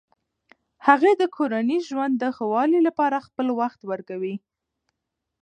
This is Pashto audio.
هغې د کورني ژوند د ښه والي لپاره خپل وخت ورکوي.